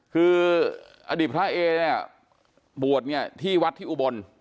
คืออดีตพระเอเนี่ยบวชเนี่ยที่วัดที่อุบล